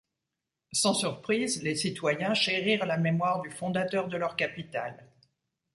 Sans surprise, les citoyens chérirent la mémoire du fondateur de leur capitale.